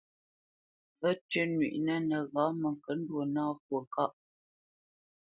Və̌tʉ́ nywíʼnə nəghǎ məŋkəndwo nâ fwo ŋkâʼ.